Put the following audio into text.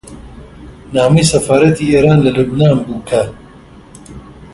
نامەی سەفارەتی ئێران لە لوبنان بوو کە: